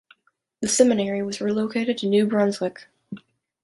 The seminary was relocated to New Brunswick.